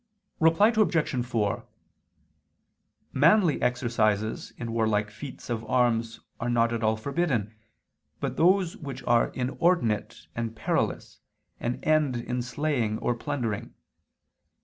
Reply Obj. 4: Manly exercises in warlike feats of arms are not all forbidden, but those which are inordinate and perilous, and end in slaying or plundering.